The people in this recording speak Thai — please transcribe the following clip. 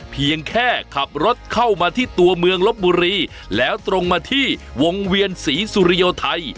เพียงแค่ขับรถเข้ามาที่ตัวเมืองลบบุรีแล้วตรงมาที่วงเวียนศรีสุริโยไทย